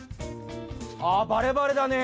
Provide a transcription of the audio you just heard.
あバレバレだね。